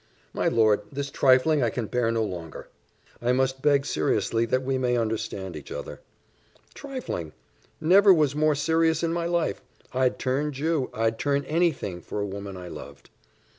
"My lord, this trifling I can bear no longer; I must beg seriously that we may understand each other." "Trifling! Never was more serious in my life. I'd turn Jew I'd turn any thing, for a woman I loved."